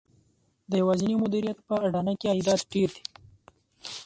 د یوازېني مدیریت په اډانه کې عایدات ډېر دي